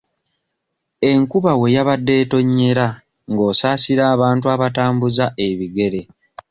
Enkuba we yabadde etonnyera ng'osaasira abantu abatambuza ebigere.